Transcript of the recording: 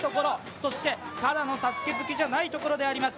そしてただのＳＡＳＵＫＥ好きじゃないところであります。